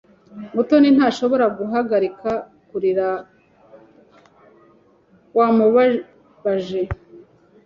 Mutoni ntashobora guhagarika kurira wamubabaje.